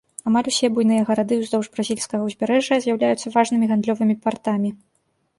Амаль усе буйныя гарады ўздоўж бразільскага ўзбярэжжа з'яўляюцца важнымі гандлёвымі партамі.